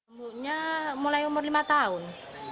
ibunya mulai umur lima tahun